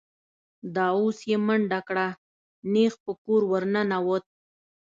دا اوس یې منډه کړه، نېغ په کور ور ننوت.